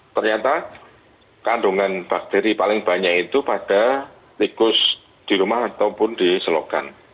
ternyata kandungan bakteri paling banyak itu pada tikus di rumah ataupun di selokan